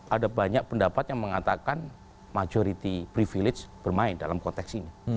ada banyak pendapat yang mengatakan majority privilege bermain dalam konteks ini